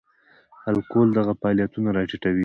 الکول دغه فعالیتونه را ټیټوي.